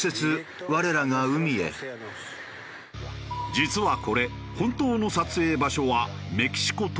実はこれ本当の撮影場所はメキシコとみられる。